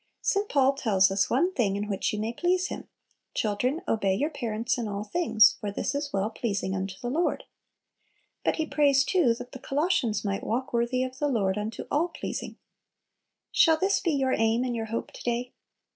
St. Paul tells us one thing in which you may please Him: "Children, obey your parents in all things, for this is well pleasing unto the Lord." But he prays too that the Colossians "might walk worthy of the Lord unto all pleasing." Shall this be your aim and your hope to day?